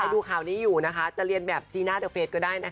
ดูข่าวนี้อยู่นะคะจะเรียนแบบจีน่าเดอร์เฟสก็ได้นะคะ